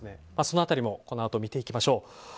その辺りもこのあと見ていきましょう。